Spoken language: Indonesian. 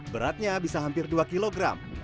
beratnya bisa hampir dua kilogram